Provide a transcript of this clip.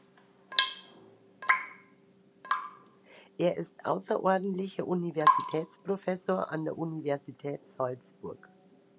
Er ist außerordentlicher Universitätsprofessor an der Universität Salzburg.